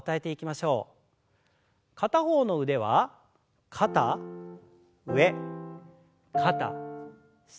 片方の腕は肩上肩下。